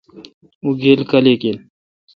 اں گیل کالیک این۔